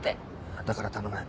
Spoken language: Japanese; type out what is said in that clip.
だから頼む。